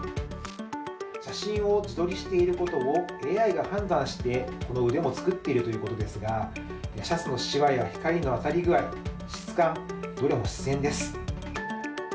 写真を自撮りしていることをＡＩが判断して、この腕も作っているということですが、シャツのしわや光の当たり具合、質感、どれも自然です。